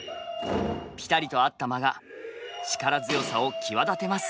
ピタリと合った間が力強さを際立てます。